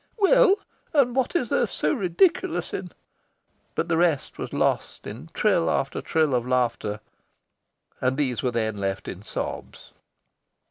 "Well? and what is there so so ridiculous in" but the rest was lost in trill after trill of laughter; and these were then lost in sobs.